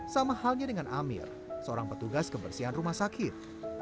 sama halnya dengan amir seorang petugas kebersihan rumah sakit